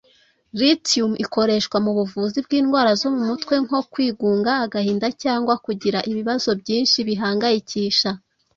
Lithium ikoreshwa mu buvuzi bw’indwara zo mu mutwe nko kwigunga (agahinda) cyangwa kugira ibibazo byinshi bihangayikisha